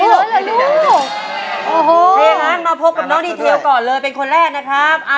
เฮ้ยฮังมาพบกับน้องดีเทลก่อนเลยเป็นคนแรกนะครับ